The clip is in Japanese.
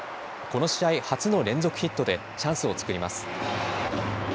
この試合初の連続ヒットでチャンスを作ります。